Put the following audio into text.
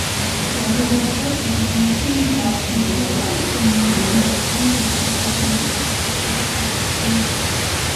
Սովորաբար կառավարութիւնը կը փոփէ տօնին օրը՝ այն տեղափոխելով շաբաթուան հանգստեան օրեր։